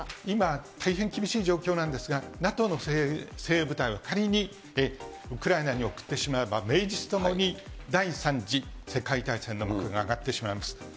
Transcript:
今、大変厳しい状況なんですが、ＮＡＴＯの精鋭部隊は、仮にウクライナに送ってしまえば、名実ともに第３次世界大戦の幕が上がってしまいます。